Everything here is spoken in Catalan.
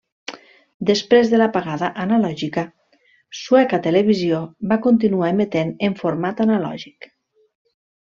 Després de l'apagada analògica, Sueca Televisió va continuar emetent en format analògic.